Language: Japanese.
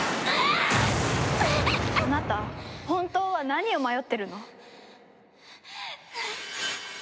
あなた本当は何を迷ってるの？